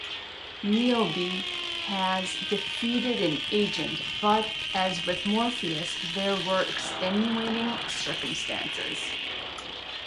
Niobe has defeated an Agent, but as with Morpheus, there were extenuating circumstances.